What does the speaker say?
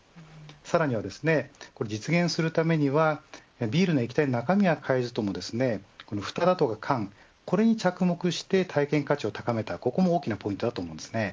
さらには実現するためにはビールの液体の中身を変えずふたとか缶、これに着目して体験価値を高めた、ここも大きなポイントだと思います。